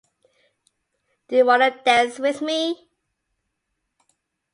Do you wanna dance with me?